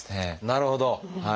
なるほど！